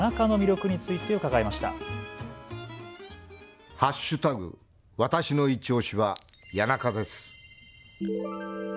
私のいちオシは谷中です。